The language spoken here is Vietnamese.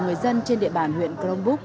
người dân trên địa bàn huyện cronbúc